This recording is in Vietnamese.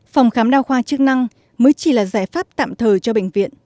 phòng khám đa khoa chức năng mới chỉ là giải pháp tạm thời cho bệnh viện